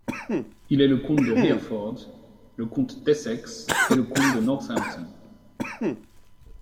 Il est le comte de Hereford, le comte d'Essex et le comte de Northampton.